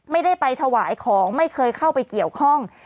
ไม่ได้ไปถวายของไม่เคยเข้าไปเกี่ยวข้อง